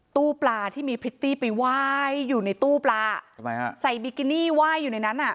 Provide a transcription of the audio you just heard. ตู้ปลาที่มีพริตตี้ไปไหว้อยู่ในตู้ปลาทำไมฮะใส่บิกินี่ไหว้อยู่ในนั้นอ่ะ